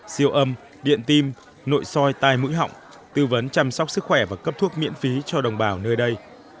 siêu âm điện tim nội soi tai mũi họng tư vấn chăm sóc sức khỏe và cấp thuốc miễn phí cho đồng bào nơi đây